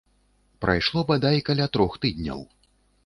Прайшло бадай каля трох тыдняў.